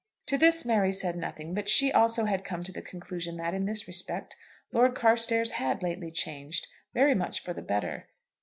To this Mary said nothing; but she also had come to the conclusion that, in this respect, Lord Carstairs had lately changed, very much for the better.